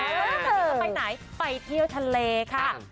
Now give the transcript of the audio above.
แล้วที่จะไปไหนไปเที่ยวทะเลค่ะ